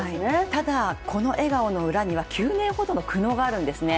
ただ、この笑顔の裏には９年ほどの苦悩があるんですね。